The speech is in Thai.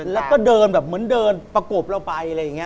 แล้วก็เดินแบบเหมือนเดินประกบเราไปอะไรอย่างนี้